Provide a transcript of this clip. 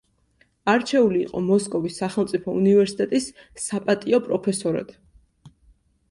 არჩეული იყო მოსკოვის სახელმწიფო უნივერსიტეტის საპატიო პროფესორად.